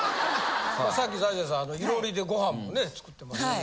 さっき財前さん囲炉裏でごはんもね作ってましたけど。